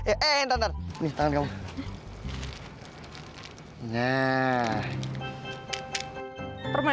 eh eh eh ntar ntar ini tangan kamu